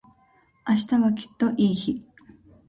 明日はきっといい日